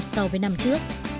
so với năm trước